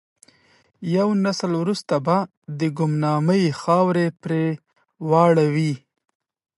یو نسل وروسته به د ګمنامۍ خاورې پر واوړي.